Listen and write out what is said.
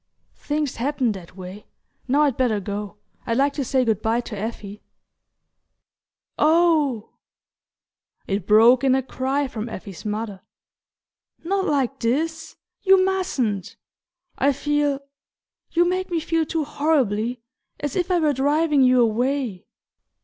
"Things happen that way. Now I'd better go. I'd like to say good bye to Effie." "Oh " it broke in a cry from Effie's mother. "Not like this you mustn't! I feel you make me feel too horribly: as if I were driving you away..."